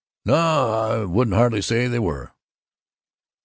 "No, I wouldn't hardly say they were."